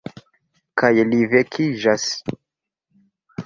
Kaj li vekiĝas.